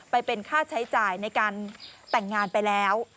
ไปเป็นค่าใช้จ่ายในการแต่งงานไปแล้ว